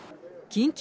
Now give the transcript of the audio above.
緊急！